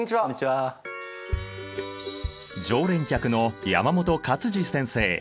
常連客の山本勝治先生。